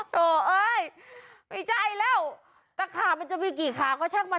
โถย่ไม่ใช่แล้วตักขามันจะมีกี่ขาก็ช่างมั่น